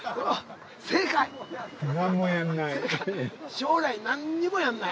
将来何にもやんない。